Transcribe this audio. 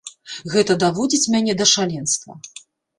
Гэта даводзіць мяне да шаленства.